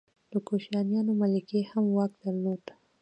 د کوشانیانو ملکې هم واک درلود